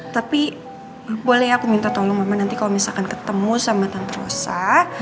tapi boleh aku minta tolong mama nanti kalau misalkan ketemu sama tante rosa